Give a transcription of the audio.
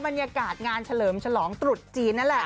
บรรยากาศงานเฉลิมฉลองตรุษจีนนั่นแหละ